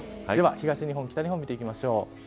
東日本、北日本見ていきましょう。